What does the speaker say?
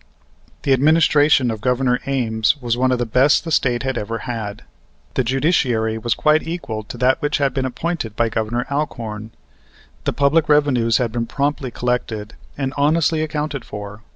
The administration of Governor Ames was one of the best the State had ever had. The judiciary was quite equal to that which had been appointed by Governor Alcorn. The public revenues had been promptly collected, and honestly accounted for.